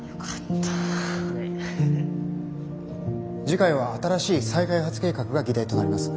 次回は新しい再開発計画が議題となります。